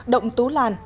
động tú làn